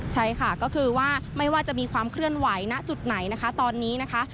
ใช่ค่ะก็คือว่าไม่ว่าจะมีความเคลื่อนไหวณจุดไหนนะคะตอนนี้นะคะ